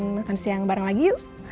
makan siang bareng lagi yuk